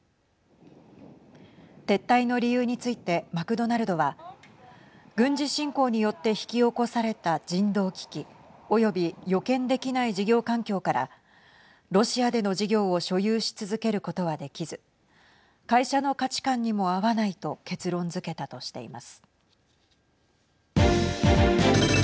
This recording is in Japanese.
撤退の理由についてマクドナルドは軍事侵攻によって引き起こされた人道危機及び予見できない事業環境からロシアでの事業を所有し続けることはできず会社の価値観にも合わないと結論づけたとしています。